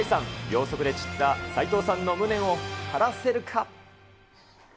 秒速で散った、斉藤さんの無念を晴らせるか。